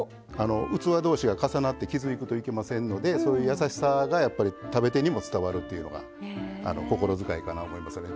器同士が重なって傷つくといけませんのでそういう優しさがやっぱり食べ手にも伝わるというのが心遣いかなと思いますよね。